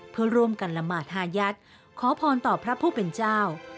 เพื่อร่วมกันละหมาดฮายัดขอพรต่อพระผู้เป็นเจ้า